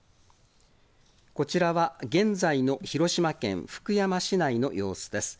こちらは、現在の広島県福山市内の様子です。